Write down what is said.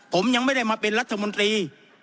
ผมยังไม่ได้มาเป็นรัฐมนตรี